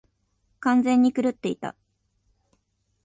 完全に狂っていた。